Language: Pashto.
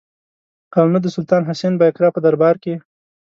او نه د سلطان حسین بایقرا په دربار کې.